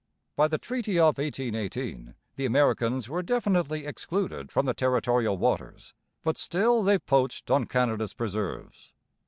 By the treaty of 1818 the Americans were definitely excluded from the territorial waters, but still they poached on Canada's preserves.